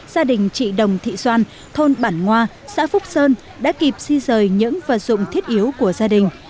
gia đình chị đồng thị doan thôn bản ngoa xã phúc sơn đã kịp di rời những vật dụng thiết yếu của gia đình